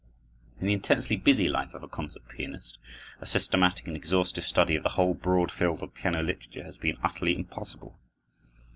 In the intensely busy life of a concert pianist a systematic and exhaustive study of the whole broad field of piano literature has been utterly impossible.